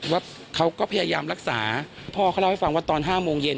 ว่าเขาก็พยายามรักษาพ่อเขาเล่าให้ฟังว่าตอน๕โมงเย็น